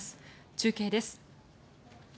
中継です。